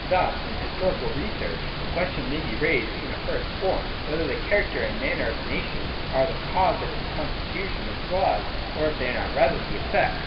Thus in historical research the question may be raised in a first form, whether the character and manners of a nation are the cause of its constitution and its laws, or if they are not rather the effect.